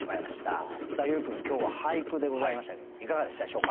優君今日は俳句でございましたけれどもいかがでしたでしょうか？